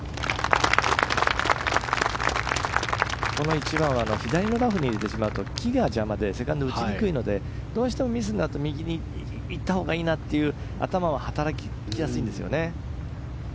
１番は左のラフに入れてしまうと木が邪魔でセカンドが打ちにくいので右に行ったほうがいいなという頭が働きやすいんですよね。